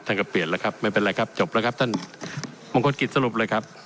ก็เปลี่ยนแล้วครับไม่เป็นไรครับจบแล้วครับท่านมงคลกิจสรุปเลยครับ